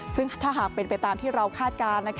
ซึ่งถ้าหากเป็นไปตามที่เราคาดการณ์